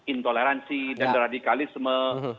intoleransi dan radikalisme